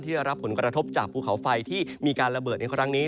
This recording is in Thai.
ได้รับผลกระทบจากภูเขาไฟที่มีการระเบิดในครั้งนี้